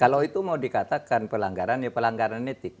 kalau itu mau dikatakan pelanggaran ya pelanggaran etik